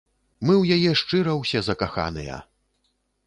Мы ў яе шчыра ўсе закаханыя!